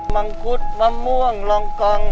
มังคุดมะม่วงรองกอง